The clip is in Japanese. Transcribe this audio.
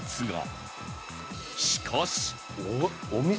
しかし